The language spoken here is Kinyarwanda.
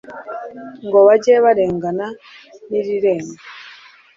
Ngo bajye barengana nirirenga